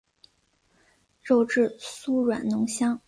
肉质酥软浓香。